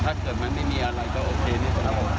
ถ้าเกิดมันไม่มีอะไรก็โอเคนิดหนึ่ง